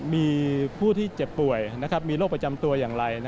มีผู้ที่เจ็บป่วยมีโรคประจำตัวอย่างไร